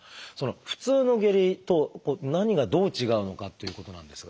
普通の下痢と何がどう違うのかっていうことなんですが。